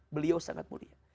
beliau sangat mulia